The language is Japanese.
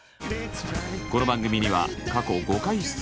この番組には過去５回出演。